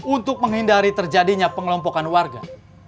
untuk menghindari terjadinya pengelompokan warga